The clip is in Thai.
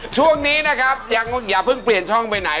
ช่วงนี้อย่าเพิ่งเปลี่ยนช่องไปไหน